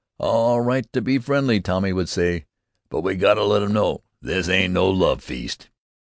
"All right to be friendly," Tommy would say, "but we got to let 'em know this ain't no love feast."